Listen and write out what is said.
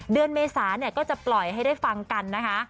เมษาก็จะปล่อยให้ได้ฟังกันนะคะ